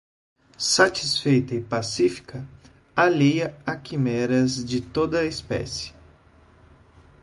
satisfeita e pacífica, alheia a quimeras de toda espécie